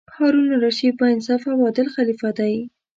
هارون الرشید با انصافه او عادل خلیفه دی.